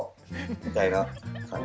みたいな感じ。